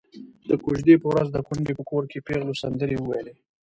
د کوژدې په ورځ د کونډې په کور کې پېغلو سندرې وويلې.